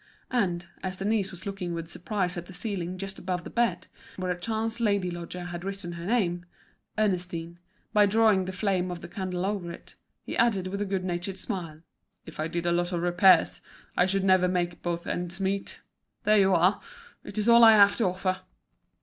And, as Denise was looking with surprise at the ceiling just above the bed, where a chance lady lodger had written her name—Ernestine—by drawing the flame of the candle over it, he added with a good natured smile; "If I did a lot of repairs, I should never make both ends meet. There you are; it's all I have to offer."